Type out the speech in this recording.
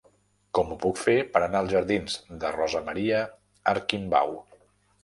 Com ho puc fer per anar als jardins de Rosa Maria Arquimbau?